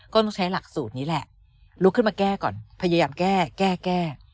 ก็ต้องใช้หลักสูตรนี้แหละลุกขึ้นมาแก้ก่อนพยายามแก้แก้แก้